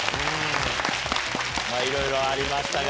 いろいろありましたが。